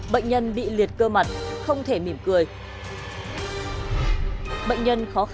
bây giờ là con thấy cái nào